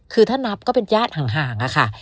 คือถ้านับก็เป็นญาติห่างค่ะ